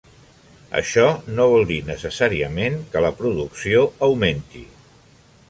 Això no vol dir necessàriament que la producció augmenti.